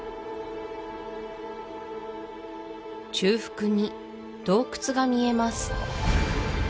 中腹に洞窟が見えます